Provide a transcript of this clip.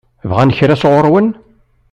Bɣan kra sɣur-wen?